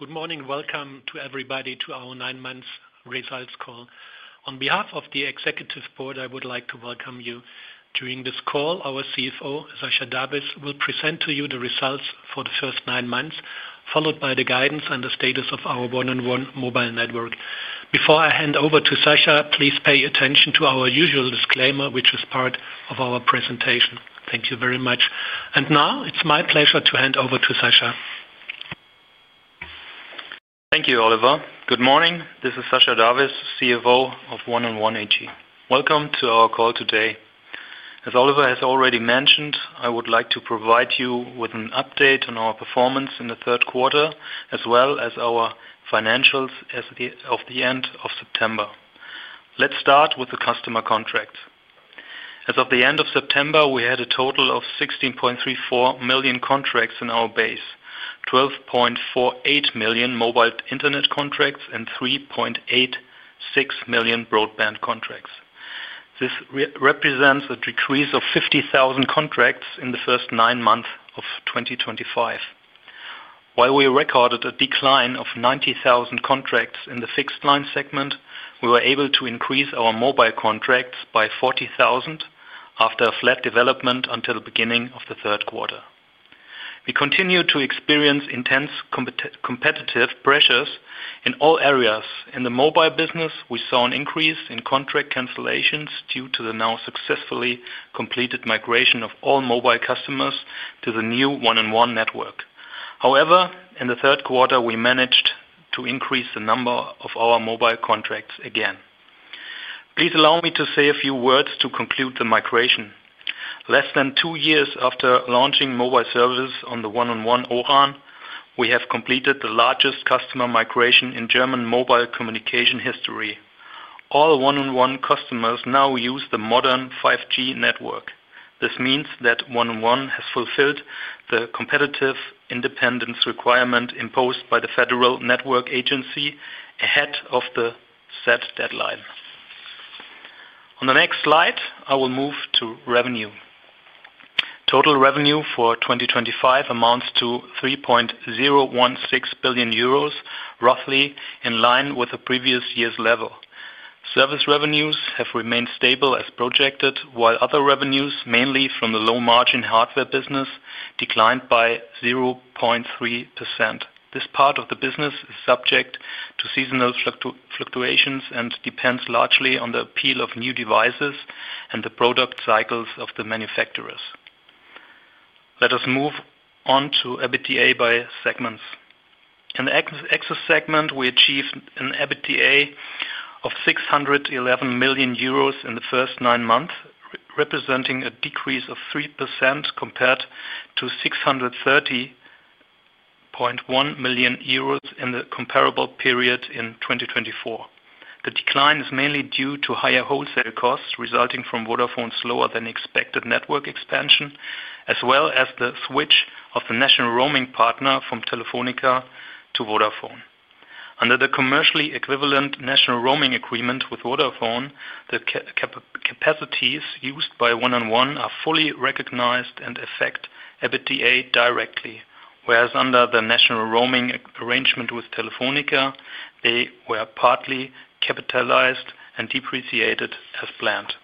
Good morning. Welcome to everybody to our nine-month results call. On behalf of the Executive Board, I would like to welcome you. During this call, our CFO, Sascha D'Avis, will present to you the results for the first nine months, followed by the guidance and the status of our 1&1 mobile network. Before I hand over to Sascha, please pay attention to our usual disclaimer, which is part of our presentation. Thank you very much. It is my pleasure to hand over to Sascha. Thank you, Oliver. Good morning. This is Sascha D'Avis, CFO of 1&1 AG. Welcome to our call today. As Oliver has already mentioned, I would like to provide you with an update on our performance in the third quarter, as well as our financials at the end of September. Let's start with the customer contracts. As of the end of September, we had a total of 16.34 million contracts in our base, 12.48 million mobile internet contracts, and 3.86 million broadband contracts. This represents a decrease of 50,000 contracts in the first nine months of 2025. While we recorded a decline of 90,000 contracts in the fixed-line segment, we were able to increase our mobile contracts by 40,000 after a flat development until the beginning of the third quarter. We continue to experience intense competitive pressures in all areas. In the mobile business, we saw an increase in contract cancellations due to the now successfully completed migration of all mobile customers to the new 1&1 network. However, in the third quarter, we managed to increase the number of our mobile contracts again. Please allow me to say a few words to conclude the migration. Less than two years after launching mobile services on the 1&1 O-RAN, we have completed the largest customer migration in German mobile communication history. All 1&1 customers now use the modern 5G network. This means that 1&1 has fulfilled the competitive independence requirement imposed by the Federal Network Agency ahead of the set deadline. On the next slide, I will move to revenue. Total revenue for 2025 amounts to 3.016 billion euros, roughly in line with the previous year's level. Service revenues have remained stable as projected, while other revenues, mainly from the low-margin hardware business, declined by 0.3%. This part of the business is subject to seasonal fluctuations and depends largely on the appeal of new devices and the product cycles of the manufacturers. Let us move on to EBITDA by segments. In the access segment, we achieved an EBITDA of 611 million euros in the first nine months, representing a decrease of 3% compared to 630.1 million euros in the comparable period in 2024. The decline is mainly due to higher wholesale costs resulting from Vodafone's slower-than-expected network expansion, as well as the switch of the national roaming partner from Telefónica to Vodafone. Under the commercially equivalent national roaming agreement with Vodafone, the capacities used by 1&1 are fully recognized and affect EBITDA directly, whereas under the national roaming arrangement with Telefónica, they were partly capitalized and depreciated as planned.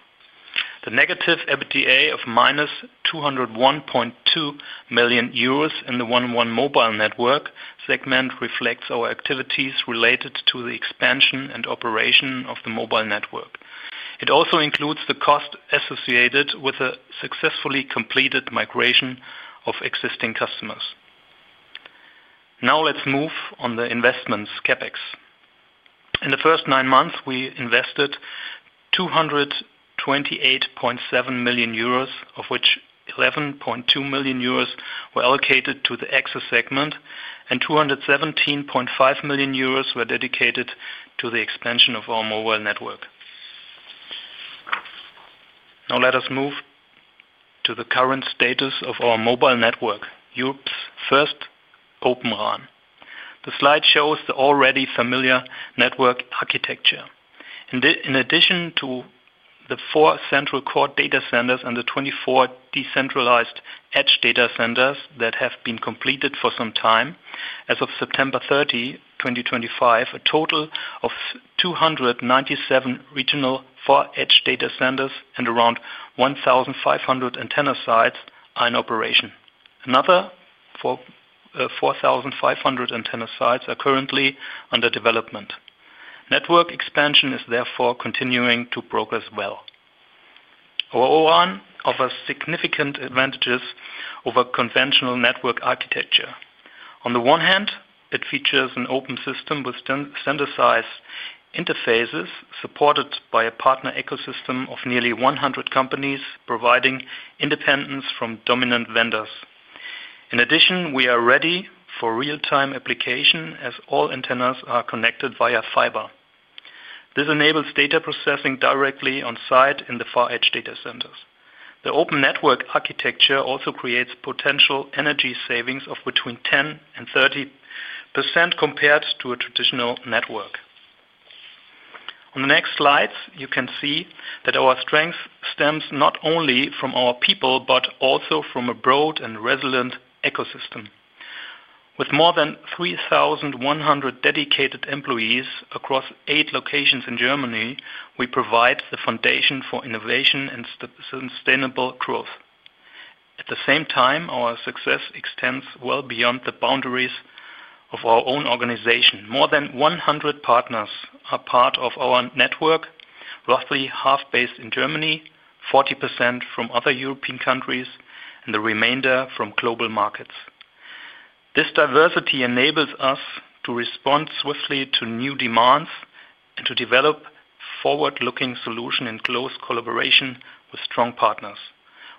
The negative EBITDA of -201.2 million euros in the 1&1 mobile network segment reflects our activities related to the expansion and operation of the mobile network. It also includes the cost associated with the successfully completed migration of existing customers. Now, let's move on to investments, CAPEX. In the first nine months, we invested 228.7 million euros, of which 11.2 million euros were allocated to the excess segment, and 217.5 million euros were dedicated to the expansion of our mobile network. Now, let us move to the current status of our mobile network, Europe's first open RAN. The slide shows the already familiar network architecture. In addition to the four central core data centers and the 24 decentralized edge data centers that have been completed for some time, as of September 30, 2025, a total of 297 regional four-edge data centers and around 1,500 antenna sites are in operation. Another 4,500 antenna sites are currently under development. Network expansion is therefore continuing to progress well. Our O-RAN offers significant advantages over conventional network architecture. On the one hand, it features an open system with standardized interfaces supported by a partner ecosystem of nearly 100 companies, providing independence from dominant vendors. In addition, we are ready for real-time application as all antennas are connected via fiber. This enables data processing directly on-site in the four-edge data centers. The open network architecture also creates potential energy savings of between 10% and 30% compared to a traditional network. On the next slides, you can see that our strength stems not only from our people but also from a broad and resilient ecosystem. With more than 3,100 dedicated employees across eight locations in Germany, we provide the foundation for innovation and sustainable growth. At the same time, our success extends well beyond the boundaries of our own organization. More than 100 partners are part of our network, roughly half based in Germany, 40% from other European countries, and the remainder from global markets. This diversity enables us to respond swiftly to new demands and to develop forward-looking solutions in close collaboration with strong partners.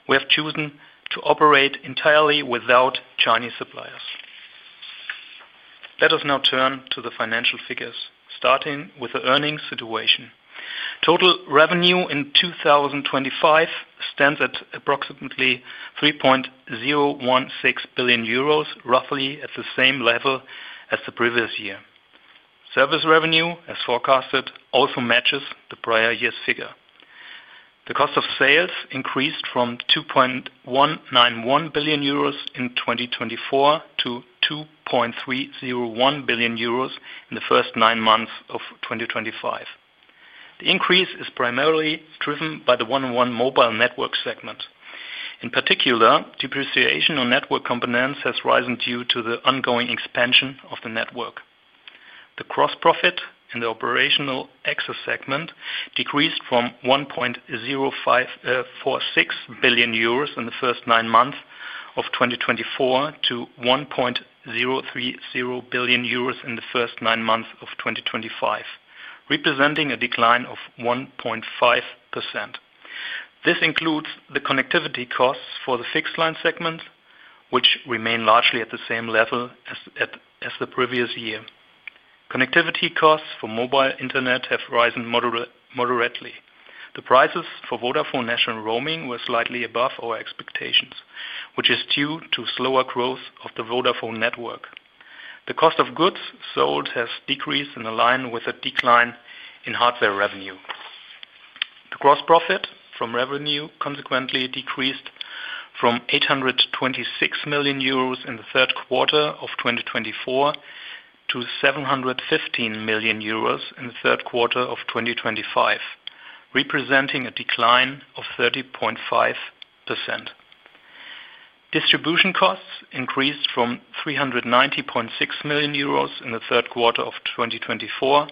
We have chosen to operate entirely without Chinese suppliers. Let us now turn to the financial figures, starting with the earnings situation. Total revenue in 2025 stands at approximately 3.016 billion euros, roughly at the same level as the previous year. Service revenue, as forecasted, also matches the prior year's figure. The cost of sales increased from 2.191 billion euros in 2024 to 2.301 billion euros in the first nine months of 2025. The increase is primarily driven by the 1&1 mobile network segment. In particular, depreciation on network components has risen due to the ongoing expansion of the network. The gross profit in the operational excess segment decreased from 1.046 billion euros in the first nine months of 2024 to 1.030 billion euros in the first nine months of 2025, representing a decline of 1.5%. This includes the connectivity costs for the fixed-line segment, which remain largely at the same level as the previous year. Connectivity costs for mobile internet have risen moderately. The prices for Vodafone national roaming were slightly above our expectations, which is due to slower growth of the Vodafone network. The cost of goods sold has decreased in line with a decline in hardware revenue. The gross profit from revenue consequently decreased from 826 million euros in the third quarter of 2024 to 715 million euros in the third quarter of 2025, representing a decline of 30.5%. Distribution costs increased from 390.6 million euros in the third quarter of 2024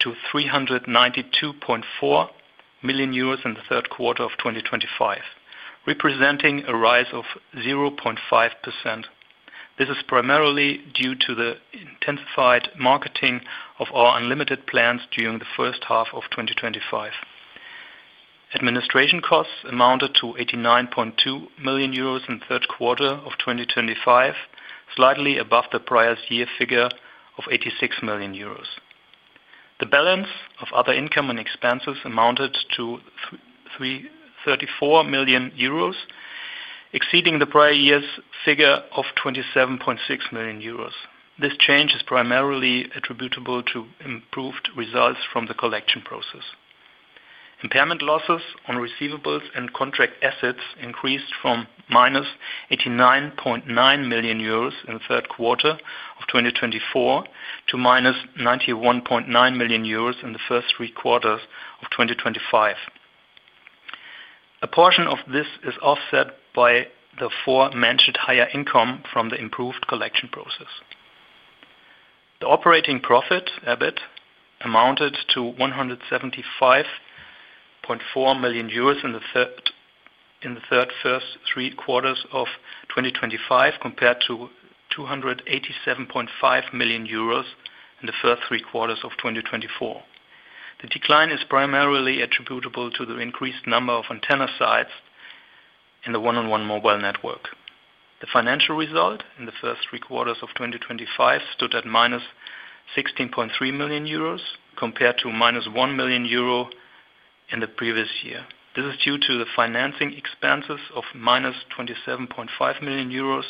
to 392.4 million euros in the third quarter of 2025, representing a rise of 0.5%. This is primarily due to the intensified marketing of our unlimited plans during the first half of 2025. Administration costs amounted to 89.2 million euros in the third quarter of 2025, slightly above the prior year figure of 86 million euros. The balance of other income and expenses amounted to 34 million euros, exceeding the prior year's figure of 27.6 million euros. This change is primarily attributable to improved results from the collection process. Impairment losses on receivables and contract assets increased from -89.9 million euros in the third quarter of 2024 to -91.9 million euros in the first three quarters of 2025. A portion of this is offset by the four mentioned higher income from the improved collection process. The operating profit, EBIT, amounted to EUR 175.4 million in the first three quarters of 2025 compared to 287.5 million euros in the first three quarters of 2024. The decline is primarily attributable to the increased number of antenna sites in the 1&1 Mobile Network. The financial result in the first three quarters of 2025 stood at -16.3 million euros compared to -1 million euro in the previous year. This is due to the financing expenses of 27.5 million euros,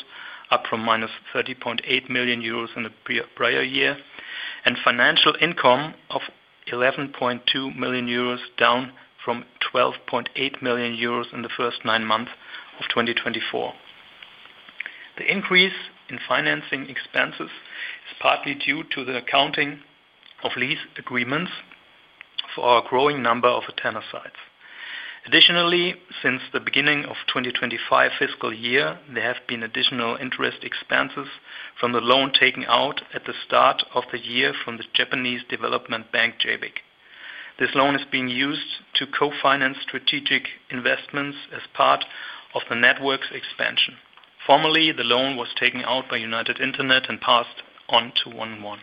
up from 30.8 million euros in the prior year, and financial income of 11.2 million euros, down from 12.8 million euros in the first nine months of 2024. The increase in financing expenses is partly due to the accounting of lease agreements for our growing number of antenna sites. Additionally, since the beginning of the 2025 fiscal year, there have been additional interest expenses from the loan taken out at the start of the year from the Japanese development bank, JBIC. This loan is being used to co-finance strategic investments as part of the network's expansion. Formerly, the loan was taken out by United Internet and passed on to 1&1.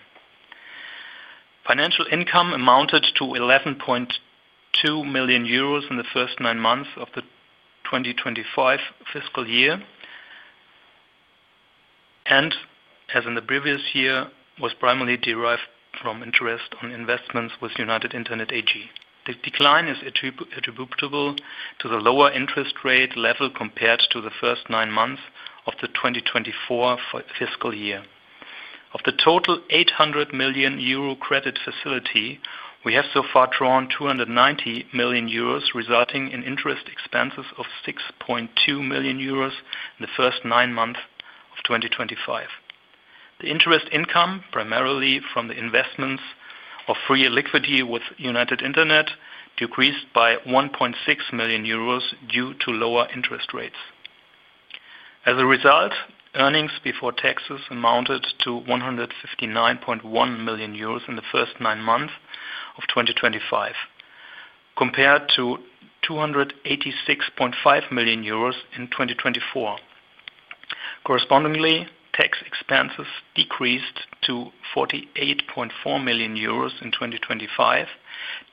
Financial income amounted to 11.2 million euros in the first nine months of the 2025 fiscal year, and as in the previous year, was primarily derived from interest on investments with United Internet AG. The decline is attributable to the lower interest rate level compared to the first nine months of the 2024 fiscal year. Of the total 800 million euro credit facility, we have so far drawn 290 million euros, resulting in interest expenses of 6.2 million euros in the first nine months of 2025. The interest income, primarily from the investments of free liquidity with United Internet, decreased by 1.6 million euros due to lower interest rates. As a result, earnings before taxes amounted to 159.1 million euros in the first nine months of 2025, compared to 286.5 million euros in 2024. Correspondingly, tax expenses decreased to 48.4 million euros in 2025,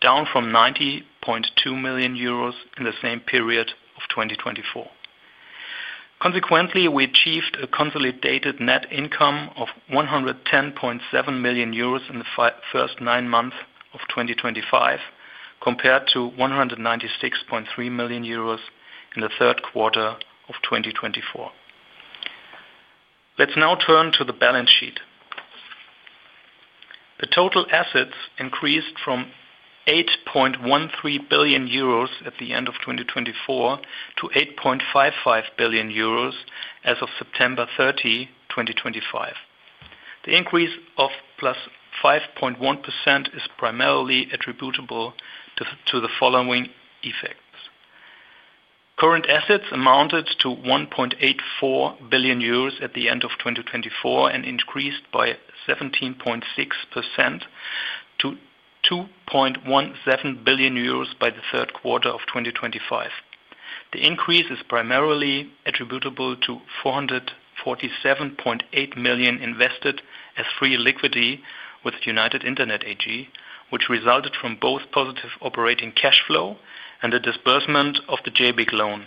down from 90.2 million euros in the same period of 2024. Consequently, we achieved a consolidated net income of 110.7 million euros in the first nine months of 2025, compared to 196.3 million euros in the third quarter of 2024. Let's now turn to the balance sheet. The total assets increased from 8.13 billion euros at the end of 2024 to 8.55 billion euros as of September 30, 2025. The increase of +5.1% is primarily attributable to the following effects: current assets amounted to 1.84 billion euros at the end of 2024 and increased by 17.6% to 2.17 billion euros by the third quarter of 2025. The increase is primarily attributable to 447.8 million invested as free liquidity with United Internet AG, which resulted from both positive operating cash flow and the disbursement of the JBIC loan.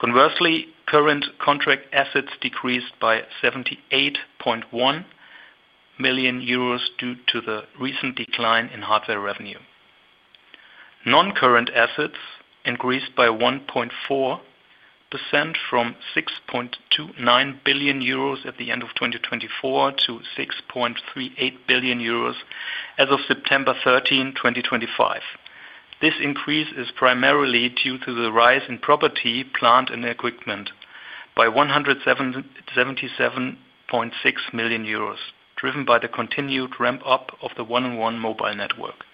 Conversely, current contract assets decreased by 78.1 million euros due to the recent decline in hardware revenue. Non-current assets increased by 1.4% from 6.29 billion euros at the end of 2024 to 6.38 billion euros as of September 13, 2025. This increase is primarily due to the rise in property, plant, and equipment by 177.6 million euros, driven by the continued ramp-up of the 1&1 mobile network.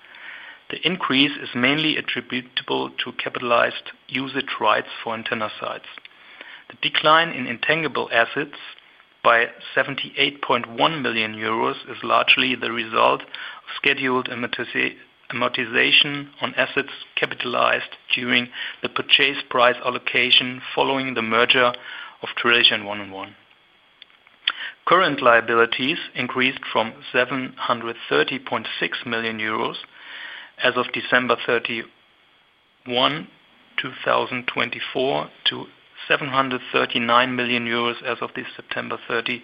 The increase is mainly attributable to capitalized usage rights for antenna sites. The decline in intangible assets by 78.1 million euros is largely the result of scheduled amortization on assets capitalized during the purchase price allocation following the merger of Croatia and 1&1. Current liabilities increased from 730.6 million euros as of December 31, 2024, to 739 million euros as of September 30,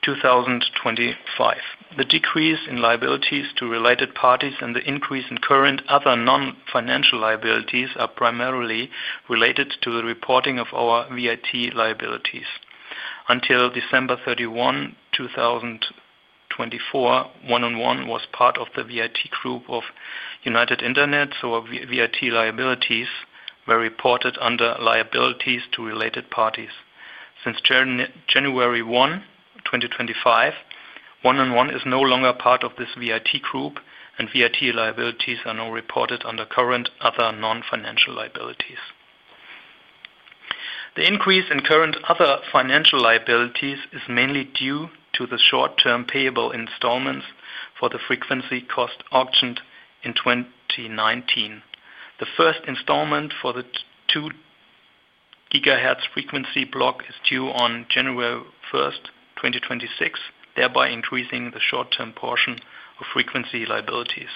2025. The decrease in liabilities to related parties and the increase in current other non-financial liabilities are primarily related to the reporting of our VIT liabilities. Until December 31, 2024, 1&1 was part of the VIT group of United Internet, so our VIT liabilities were reported under liabilities to related parties. Since January 1, 2025, 1&1 is no longer part of this VIT group, and VIT liabilities are now reported under current other non-financial liabilities. The increase in current other financial liabilities is mainly due to the short-term payable installments for the frequency cost auctioned in 2019. The first installment for the 2 gigahertz frequency block is due on January 1, 2026, thereby increasing the short-term portion of frequency liabilities.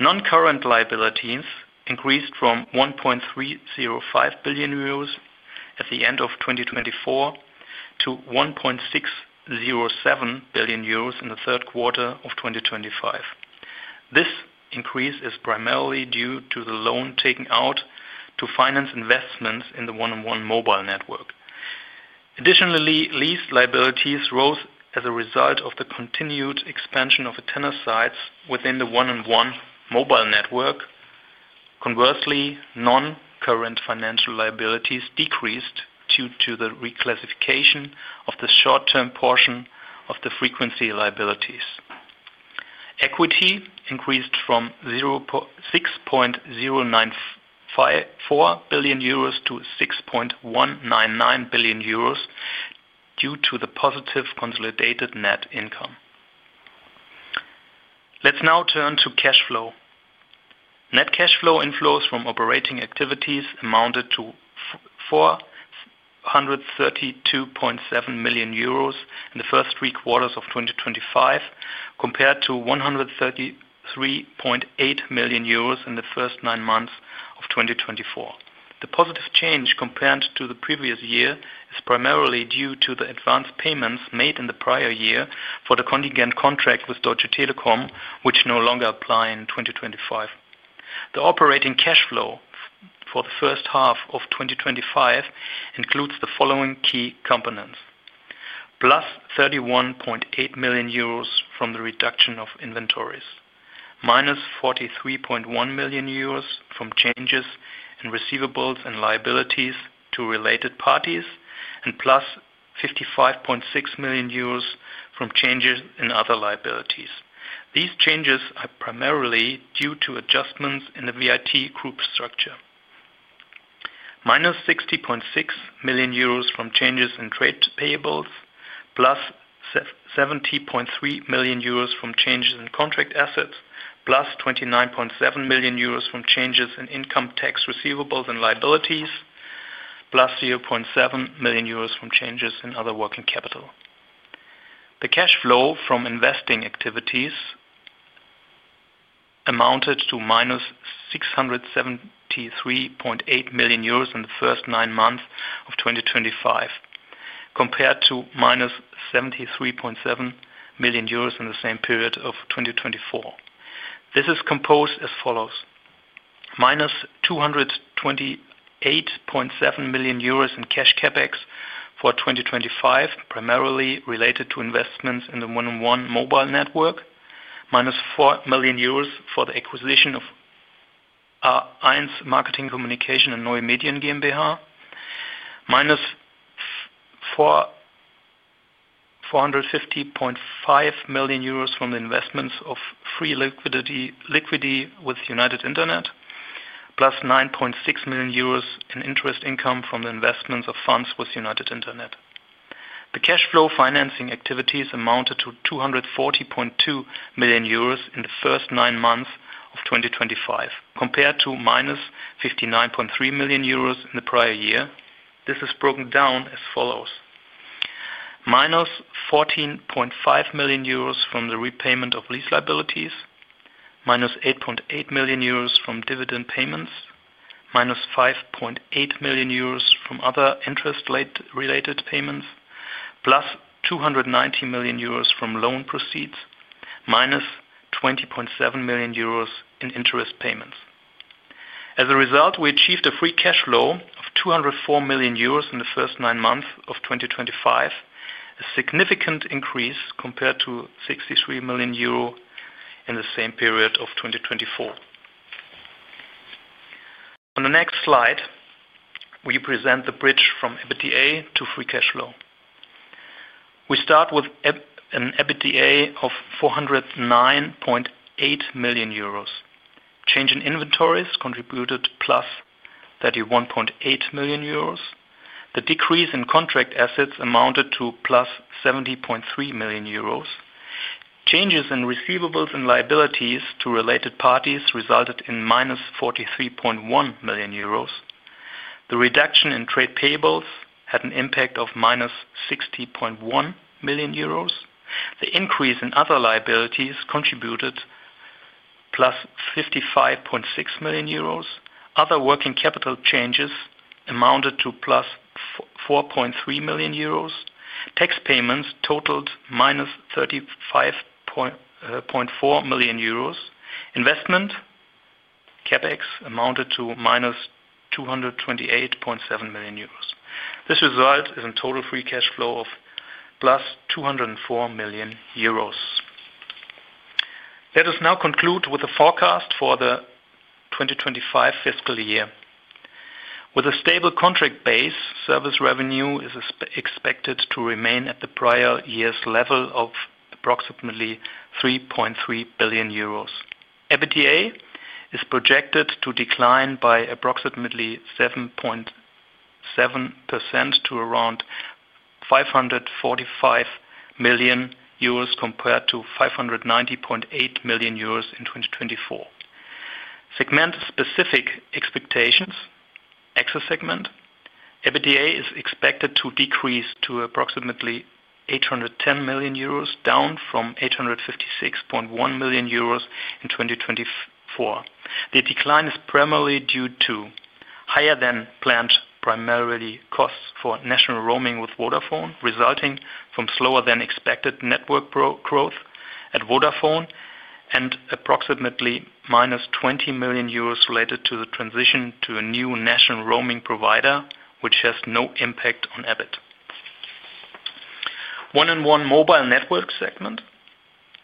Non-current liabilities increased from 1.305 billion euros at the end of 2024 to 1.607 billion euros in the third quarter of 2025. This increase is primarily due to the loan taken out to finance investments in the 1&1 mobile network. Additionally, lease liabilities rose as a result of the continued expansion of antenna sites within the 1&1 Mobile Network. Conversely, non-current financial liabilities decreased due to the reclassification of the short-term portion of the frequency liabilities. Equity increased from 6.094 billion euros to 6.199 billion euros due to the positive consolidated net income. Let's now turn to cash flow. Net cash flow inflows from operating activities amounted to 432.7 million euros in the first three quarters of 2025, compared to 133.8 million euros in the first nine months of 2024. The positive change compared to the previous year is primarily due to the advance payments made in the prior year for the contingent contract with Deutsche Telekom, which no longer apply in 2025. The operating cash flow for the first half of 2025 includes the following key components: +31.8 million euros from the reduction of inventories, -43.1 million euros from changes in receivables and liabilities to related parties, and +55.6 million euros from changes in other liabilities. These changes are primarily due to adjustments in the VIT group structure: -60.6 million euros from changes in trade payables, +70.3 million euros from changes in contract assets, +29.7 million euros from changes in income tax receivables and liabilities, +0.7 million euros from changes in other working capital. The cash flow from investing activities amounted to -673.8 million euros in the first nine months of 2025, compared to -73.7 million euros in the same period of 2024. This is composed as follows: -228.7 million euros in cash CAPEX for 2025, primarily related to investments in the 1&1 Mobile Network; -4 million euros for the acquisition of AINS Marketing Communication and Neue Medien GmbH; -450.5 million euros from the investments of free liquidity with United Internet; EUR +9.6 million in interest income from the investments of funds with United Internet. The cash flow financing activities amounted to 240.2 million euros in the first nine months of 2025, compared to -59.3 million euros in the prior year. This is broken down as follows: -14.5 million euros from the repayment of lease liabilities, -8.8 million euros from dividend payments, -5.8 million euros from other interest-related payments, +290 million euros from loan proceeds, -20.7 million euros in interest payments. As a result, we achieved a free cash flow of 204 million euros in the first nine months of 2025, a significant increase compared to 63 million euro in the same period of 2024. On the next slide, we present the bridge from EBITDA to free cash flow. We start with an EBITDA of 409.8 million euros. Change in inventories contributed +31.8 million euros. The decrease in contract assets amounted to +70.3 million euros. Changes in receivables and liabilities to related parties resulted in -43.1 million euros. The reduction in trade payables had an impact of -60.1 million euros. The increase in other liabilities contributed +55.6 million euros. Other working capital changes amounted to +4.3 million euros. Tax payments totaled -35.4 million euros. Investment CapEx amounted to -228.7 million euros. This result is a total free cash flow of +204 million euros. Let us now conclude with a forecast for the 2025 fiscal year. With a stable contract base, service revenue is expected to remain at the prior year's level of approximately 3.3 billion euros. EBITDA is projected to decline by approximately 7.7% to around 545 million euros compared to 590.8 million euros in 2024. Segment-specific expectations, exit segment, EBITDA is expected to decrease to approximately 810 million euros, down from 856.1 million euros in 2024. The decline is primarily due to higher-than-planned primarily costs for national roaming with Vodafone, resulting from slower-than-expected network growth at Vodafone and approximately -20 million euros related to the transition to a new national roaming provider, which has no impact on EBIT. 1&1 mobile network segment,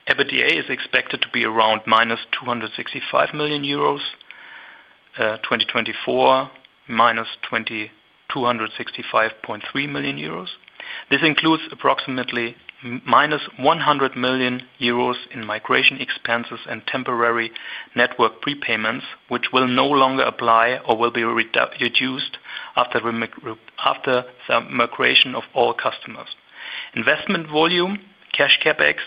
EBITDA is expected to be around --265 million euros, 2024 -265.3 million euros. This includes approximately -100 million euros in migration expenses and temporary network prepayments, which will no longer apply or will be reduced after the migration of all customers. Investment volume, cash CapEx,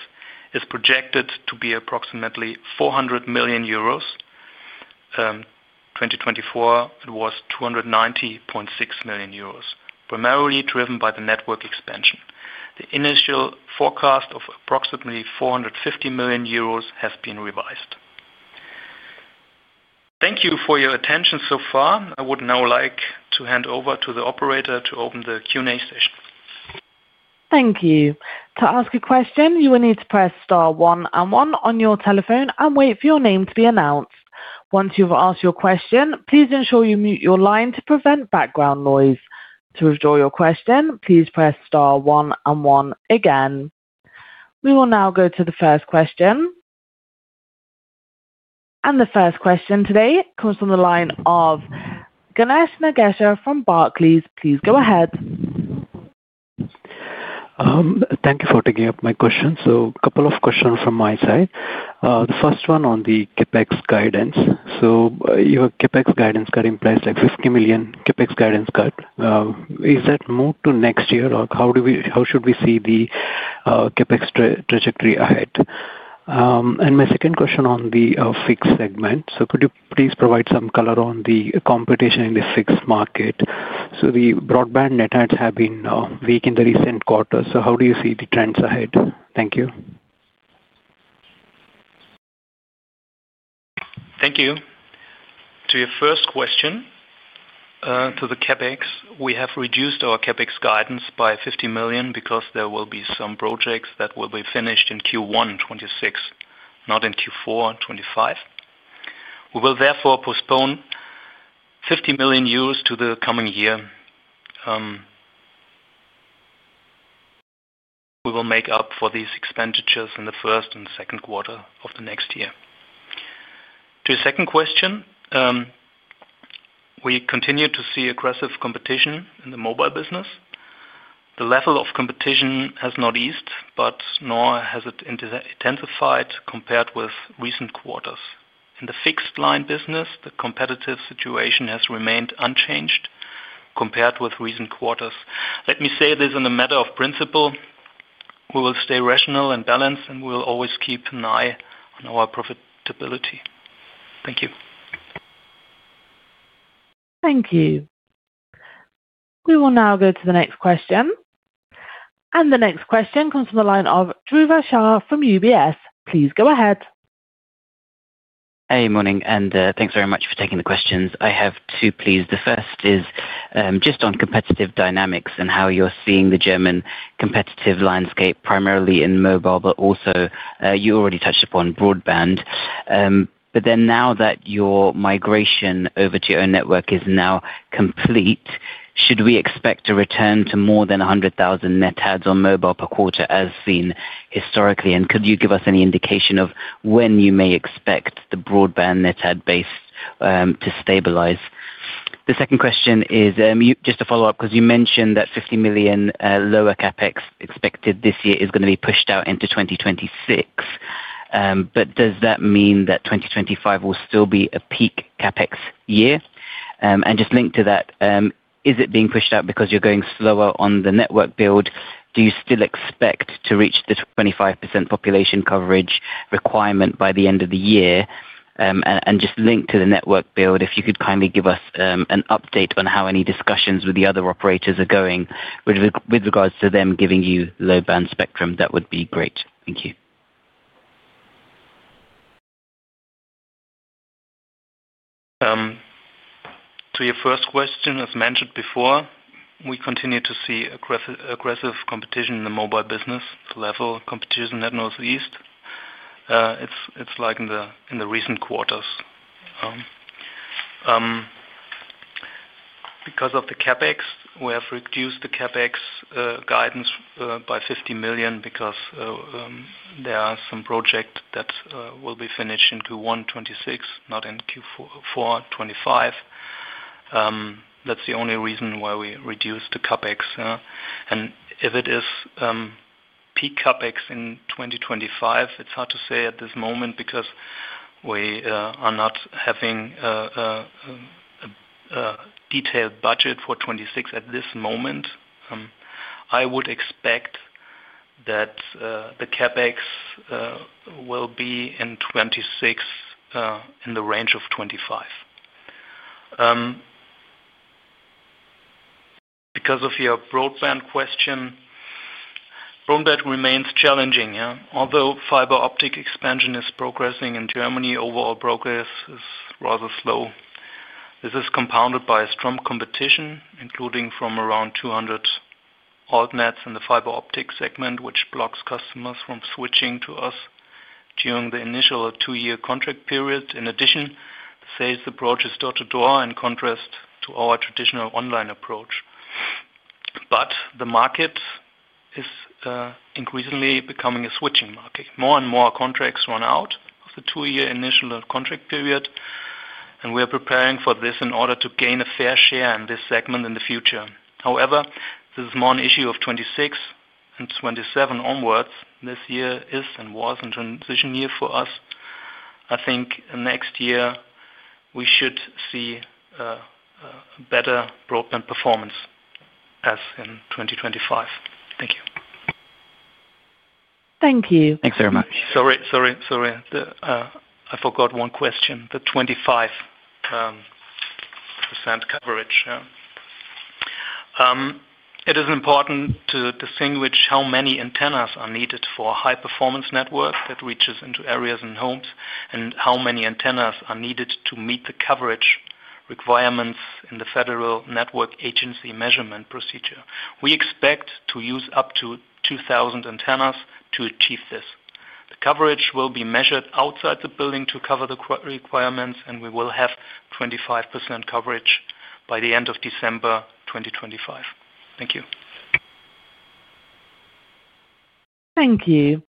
is projected to be approximately 400 million euros. In 2024, it was 290.6 million euros, primarily driven by the network expansion. The initial forecast of approximately 450 million euros has been revised. Thank you for your attention so far. I would now like to hand over to the operator to open the Q&A session. Thank you. To ask a question, you will need to press star 1 and 1 on your telephone and wait for your name to be announced. Once you've asked your question, please ensure you mute your line to prevent background noise. To withdraw your question, please press star 1 and 1 again. We will now go to the first question. The first question today comes from the line of Ganesha Nagesha from Barclays. Please go ahead. Thank you for taking up my question. A couple of questions from my side. The first one on the CapEx guidance. Your CapEx guidance cut implies like 50 million CapEx guidance cut. Is that moved to next year, or how should we see the CapEx trajectory ahead? My second question on the fixed segment. Could you please provide some color on the competition in the fixed market? The broadband net adds have been weak in the recent quarter. How do you see the trends ahead? Thank you. Thank you. To your first question, to the CapEx, we have reduced our CapEx guidance by 50 million because there will be some projects that will be finished in Q1 2026, not in Q4 2025. We will therefore postpone 50 million euros to the coming year. We will make up for these expenditures in the first and second quarter of the next year. To your second question, we continue to see aggressive competition in the mobile business. The level of competition has not eased, but nor has it intensified compared with recent quarters. In the fixed line business, the competitive situation has remained unchanged compared with recent quarters. Let me say this in a matter of principle. We will stay rational and balanced, and we will always keep an eye on our profitability. Thank you. Thank you. We will now go to the next question. The next question comes from the line of Dhruv Hashar from UBS. Please go ahead. Hey, morning, and thanks very much for taking the questions. I have two pleas. The first is just on competitive dynamics and how you're seeing the German competitive landscape, primarily in mobile, but also you already touched upon broadband. Now that your migration over to your own network is now complete, should we expect a return to more than 100,000 net adds on mobile per quarter as seen historically? Could you give us any indication of when you may expect the broadband net add base to stabilize? The second question is just a follow-up because you mentioned that 50 million lower CapEx expected this year is going to be pushed out into 2026. Does that mean that 2025 will still be a peak CapEx year? Just linked to that, is it being pushed out because you're going slower on the network build? Do you still expect to reach the 25% population coverage requirement by the end of the year? Just linked to the network build, if you could kindly give us an update on how any discussions with the other operators are going with regards to them giving you low-band spectrum, that would be great. Thank you. To your first question, as mentioned before, we continue to see aggressive competition in the mobile business level, competition net north east. It's like in the recent quarters. Because of the CapEx, we have reduced the CapEx guidance by 50 million because there are some projects that will be finished in Q1 2026, not in Q4 2025. That's the only reason why we reduced the CapEx. If it is peak CapEx in 2025, it's hard to say at this moment because we are not having a detailed budget for 2026 at this moment. I would expect that the CapEx will be in 2026 in the range of 2025. Because of your broadband question, broadband remains challenging. Although fiber optic expansion is progressing in Germany, overall progress is rather slow. This is compounded by strong competition, including from around 200 alt-nets in the fiber optic segment, which blocks customers from switching to us during the initial two-year contract period. In addition, sales approach is door-to-door in contrast to our traditional online approach. The market is increasingly becoming a switching market. More and more contracts run out of the two-year initial contract period, and we are preparing for this in order to gain a fair share in this segment in the future. However, this is more an issue of 2026 and 2027 onwards. This year is and was a transition year for us. I think next year we should see better broadband performance as in 2025. Thank you. Thank you. Thanks very much. Sorry, sorry, sorry. I forgot one question, the 25% coverage. It is important to distinguish how many antennas are needed for a high-performance network that reaches into areas and homes and how many antennas are needed to meet the coverage requirements in the Federal Network Agency measurement procedure. We expect to use up to 2,000 antennas to achieve this. The coverage will be measured outside the building to cover the requirements, and we will have 25% coverage by the end of December 2025. Thank you. Thank you.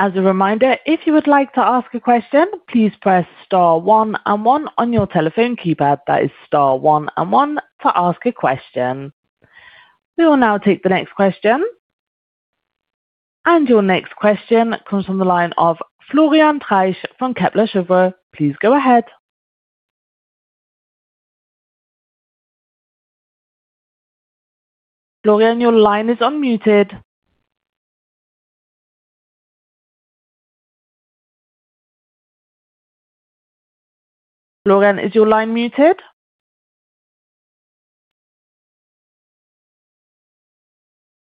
As a reminder, if you would like to ask a question, please press star 1 and 1 on your telephone keypad. That is star 1 and 1 to ask a question. We will now take the next question. Your next question comes from the line of Florian Treisch from Kepler Cheuvreux. Please go ahead. Florian, your line is unmuted. Florian, is your line muted?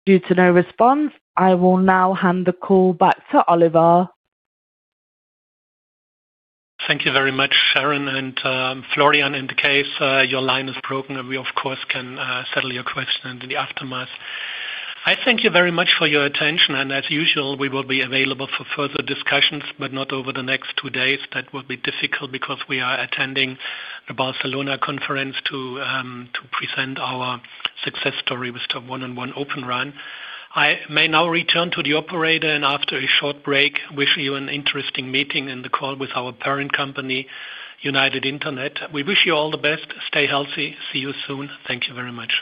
Due to no response, I will now hand the call back to Oliver. Thank you very much, Sharon and Florian. In the case your line is broken, and we, of course, can settle your question in the aftermath. I thank you very much for your attention, and as usual, we will be available for further discussions, but not over the next two days. That will be difficult because we are attending the Barcelona conference to present our success story with the 1&1 Open RAN. I may now return to the operator, and after a short break, wish you an interesting meeting and the call with our parent company, United Internet. We wish you all the best. Stay healthy. See you soon. Thank you very much.